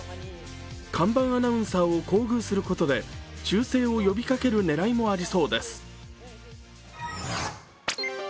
看板アナウンサーを厚遇することで忠誠を呼びかける狙いもありそうです。